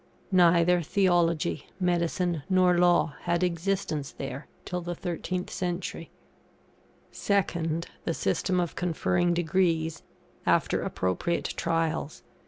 Neither Theology, Medicine, nor Law had existence there till the 13th century. Second, the system of conferring Degrees, after appropriate trials.